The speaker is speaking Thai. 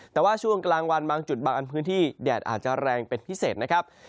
แต่ว่าช่วงกลางวันบางจุดบางอันพื้นที่แดดอาจจะแรงเป็นพิเศษนะครับ